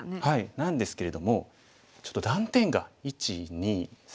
なんですけれどもちょっと断点が１２３ありますよね。